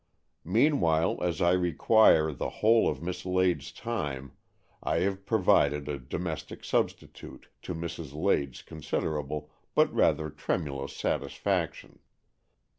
" Meanwhile, as I require the whole of Miss Lade's time, I have provided a domestic substitute, to Mrs. Lade's considerable, but rather tremulous, satisfaction.